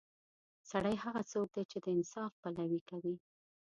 سړی هغه څوک دی چې د انصاف پلوي کوي.